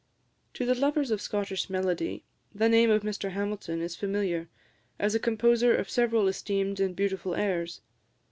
To the lovers of Scottish melody the name of Mr Hamilton is familiar, as a composer of several esteemed and beautiful airs.